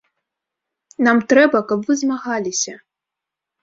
Нам трэба, каб вы змагаліся.